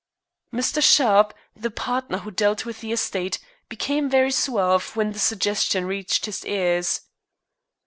Mr. Sharp, the partner who dealt with the estate, became very suave when the suggestion reached his ears.